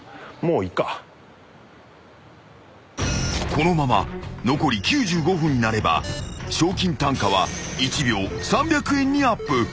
［このまま残り９５分になれば賞金単価は１秒３００円にアップ］